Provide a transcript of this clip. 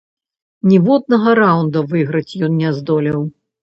Ніводнага раўнда выйграць ён не здолеў.